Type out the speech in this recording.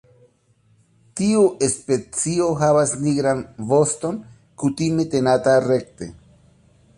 Tiu specio havas nigran voston kutime tenata rekte.